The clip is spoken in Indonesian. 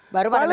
baru pada milih